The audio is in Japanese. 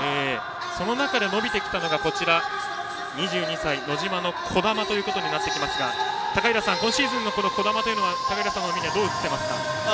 その中で伸びてきたのが２２歳ノジマの児玉となってきますが高平さん、今シーズンの児玉は高平さんの目にはどう映っていますか。